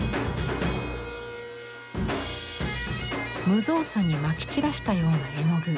無造作にまき散らしたような絵の具。